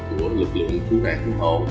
của lực lượng cứu nạn cứu hậu